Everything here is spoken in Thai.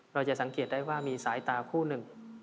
เราจะสังเกตได้ว่ามีสายตาคู่หนึ่ง